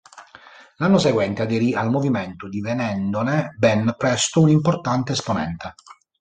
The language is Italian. L'anno seguente aderì al movimento, divenendone ben presto un importante esponente.